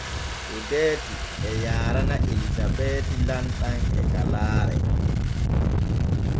Odeeti e yaarana Elisabeeti lamɗam e kalaare.